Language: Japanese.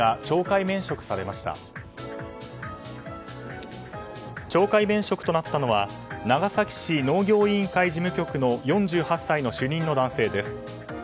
懲戒免職となったのは長崎市農業委員会事務局の４８歳の主任の男性です。